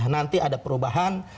nanti ada perubahan